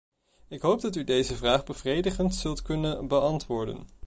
Ik hoop dat u deze vraag bevredigend zult kunnen beantwoorden.